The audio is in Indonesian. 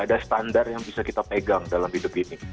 ada standar yang bisa kita pegang dalam hidup ini